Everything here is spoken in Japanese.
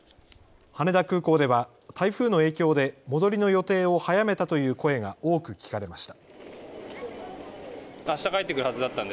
羽田空港では台風の影響で戻りの予定を早めたという声が多く聞かれました。